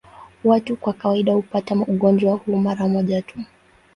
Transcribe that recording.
Watu kwa kawaida hupata ugonjwa huu mara moja tu.